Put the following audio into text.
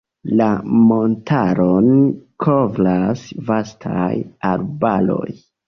La montaron kovras vastaj arbaroj.